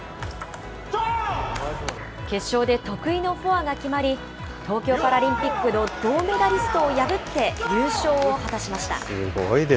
決勝で得意のフォアが決まり、東京パラリンピックの銅メダリストを破って優勝を果たしました。